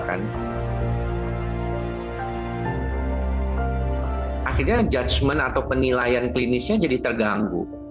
akhirnya penilaian klinisnya jadi terganggu